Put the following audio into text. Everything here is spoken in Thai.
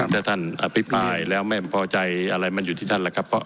ถ้าท่านอภิปรายแล้วไม่พอใจอะไรมันอยู่ที่ท่านแหละครับ